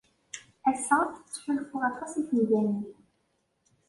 Ass-a, ttḥulfuɣ aṭas i temdanit.